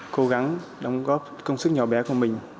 cố gắng đóng góp công sức nhỏ bé của mình